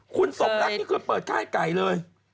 คุณสมรักคือเปิดค่ายไก่เลย